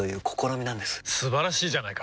素晴らしいじゃないか！